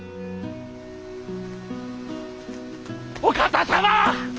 お方様！